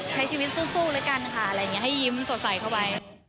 ใช้ชีวิตสู้แล้วกันค่ะอะไรอย่างนี้ให้ยิ้มสดใสเข้าไป